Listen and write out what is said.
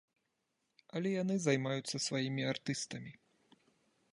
Але яны займаюцца сваімі артыстамі.